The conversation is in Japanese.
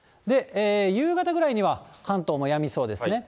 夕方ぐらいには、関東もやみそうですね。